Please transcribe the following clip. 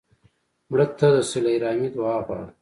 مړه ته د صله رحمي دعا غواړو